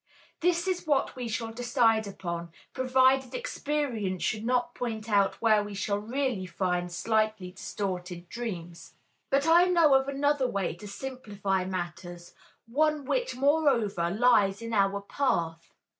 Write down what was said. This is what we shall decide upon, provided experience should not point out where we shall really find slightly distorted dreams. But I know of another way to simplify matters, one which, moreover, lies in our path.